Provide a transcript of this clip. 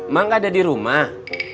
mak enggak ada di rumah